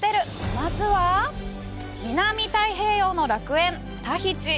まずは南太平洋の楽園・タヒチ。